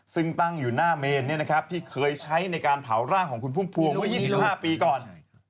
ซึ่งตั้งอยู่หน้าเมนที่เคยใช้ในการเผาร่างของคุณพุ่มพวงเมื่อ๒๕ปีก่อน